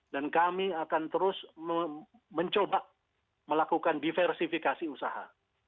dan kami akan terus mencoba melakukan diversifikasi usaha